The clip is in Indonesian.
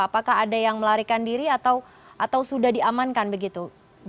apakah ada yang melarikan diri atau sudah diamankan begitu